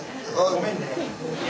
・ごめんね。